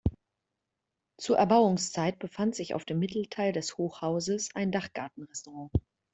Zur Erbauungszeit befand sich auf dem Mittelteil des Hochhauses ein Dachgarten-Restaurant.